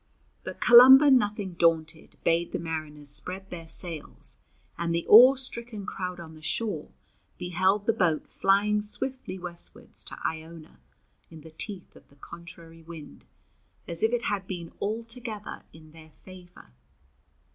But Columba, nothing daunted, bade the mariners spread their sails, and the awe stricken crowd on the shore beheld the boat flying swiftly westwards to Iona in the teeth of the contrary wind, as if it had been altogether in their favour.